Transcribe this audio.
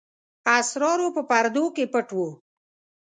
اسرارو په پردو کې پټ وو.